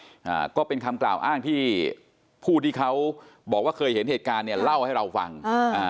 อ่าก็เป็นคำกล่าวอ้างที่ผู้ที่เขาบอกว่าเคยเห็นเหตุการณ์เนี่ยเล่าให้เราฟังอ่าอ่า